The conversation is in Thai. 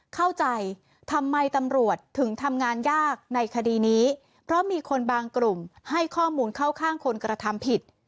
เข้าใจทำไมตำรวจถึงทำงานยากในคดีนี้เพราะมีคนบางกลุ่มให้ข้อมูลเข้าข้างคนกระทำผิด